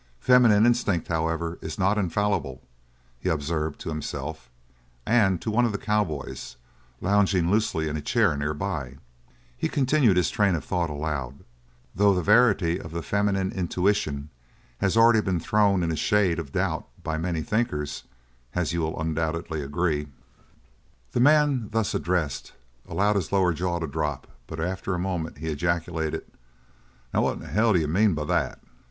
"Feminine instinct, however, is not infallible," he observed to himself, and to one of the cowboys, lounging loosely in a chair nearby, he continued his train of thoughts aloud: "Though the verity of the feminine intuition has already been thrown in a shade of doubt by many thinkers, as you will undoubtedly agree." The man thus addressed allowed his lower jaw to drop but after a moment he ejaculated: "Now what in hell d'you mean by that?"